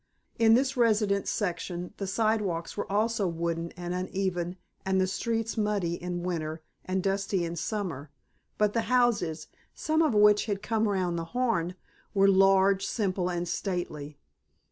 In this residence section the sidewalks were also wooden and uneven and the streets muddy in winter and dusty in summer, but the houses, some of which had "come round the Horn," were large, simple, and stately.